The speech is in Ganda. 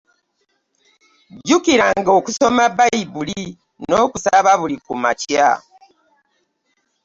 Jjukiranga okusoma Bayibuli nokusaba buli ku makya.